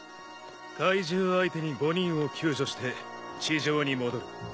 怪獣相手に５人を救助して地上に戻る。